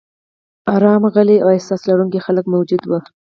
ارام، غلي او احساس لرونکي خلک موجود و.